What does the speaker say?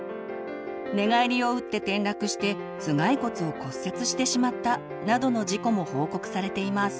寝返りを打って転落して頭蓋骨を骨折してしまった。などの事故も報告されています。